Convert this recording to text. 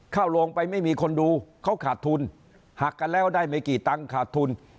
เข้าโรงไปไม่มีคนดูเขาขาดทุนหักกันแล้วได้ไม่กี่ตังค์ขาดทุน